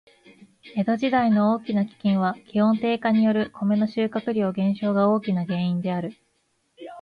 江戸時代の大きな飢饉は、気温低下によるコメの収穫量減少が大きな原因である。